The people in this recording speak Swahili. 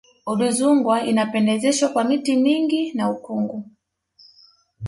udzungwa inapendezeshwa kwa miti mingi na ukungu